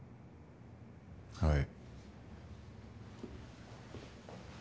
はい。